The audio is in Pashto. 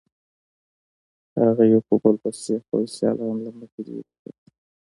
هغه یو په بل پسې خپل سیالان له مخې لرې کړل.